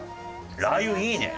ラー油いいね。